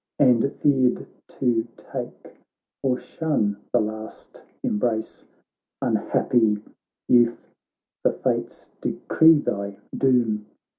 And feared to take, or shun, the last embrace ! Unhappy youth ! the fates decree thy doom.